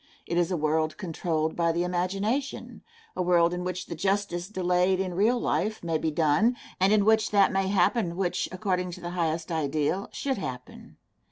It is a world controlled by the imagination a world in which the justice delayed in real life may be done, and in which that may happen which, according to the highest ideal, should happen.